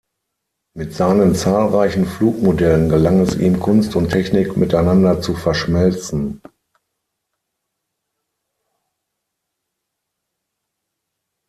Mit seinen zahlreichen Flugmodellen gelang es ihm Kunst und Technik miteinander zu verschmelzen.